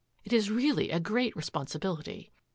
It is really a great responsibility."